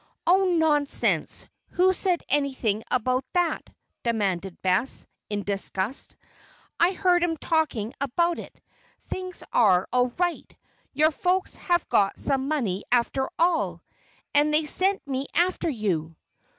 "Oh, nonsense! Who said anything about that?" demanded Bess, in disgust. "I heard 'em talking about it! Things are all right! Your folks have got some money after all! And they sent me after you!"